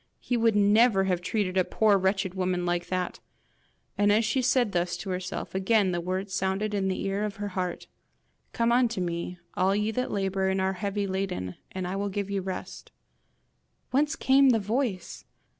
HE would never have treated a poor wretched woman like that! And as she said thus to herself, again the words sounded in the ear of her heart: 'COME UNTO ME, ALL YE THAT LABOUR AND ARE HEAVY LADEN, AND I WILL GIVE YOU REST.' Whence came the voice?